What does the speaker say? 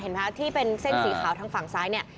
ที่เป็นเส้นสีขาวทางฝั่งซ้ายเนี่ย